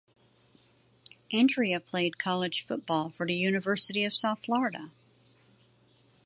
Andrea played college football for the University of South Florida.